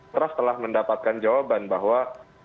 trust telah mendapatkan jawaban bahwa